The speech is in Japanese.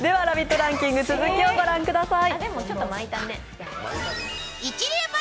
ランキング続きをご覧ください。